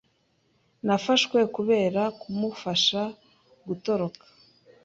Nafashwe kubera kumufasha gutoroka.